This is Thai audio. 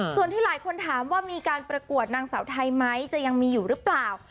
ส่วนที่หลายคนถามว่ามีการประกวดนางสาวไทยไหมจะยังมีอยู่หรือเปล่า